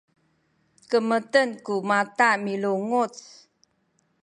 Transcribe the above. kemeten ku mata milunguc